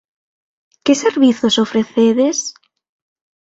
Que servizos ofrecedes?